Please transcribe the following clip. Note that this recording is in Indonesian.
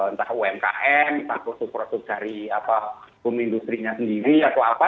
entah umkm entah produk produk dari boom industri nya sendiri atau apa